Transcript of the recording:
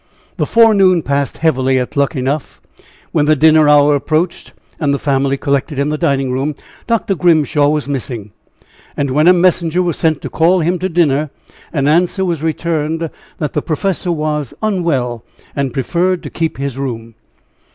The forenoon passed heavily at Luckenough. When the dinner hour approached, and the family collected in the dining room, Dr. Grimshaw was missing; and when a messenger was sent to call him to dinner, an answer was returned that the professor was unwell, and preferred to keep his room.